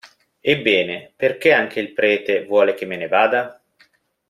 Ebbene, perché anche il prete vuole che me ne vada?